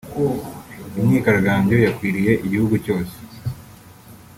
Imyigaragambyo yakwiriye igihugu cyose